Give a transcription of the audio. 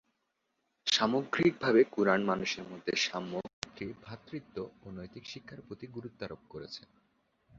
সামগ্রিকভাবে কুরআন মানুষের মধ্যে সাম্য, মৈত্রী, ভ্রাতৃত্ব ও নৈতিক শিক্ষার প্রতি গুরুত্বারোপ করেছে।